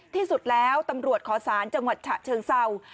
ที่สุดแล้วตำรวจขอสารจังหวัดฉะเชิงเศร้า